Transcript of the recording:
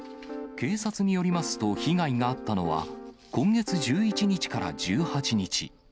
警察によりますと、被害が遭ったのは、今月１１日から１８日。